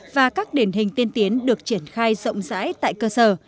và các điển hình tiên tiến được triển khai rộng rãi tại cơ sở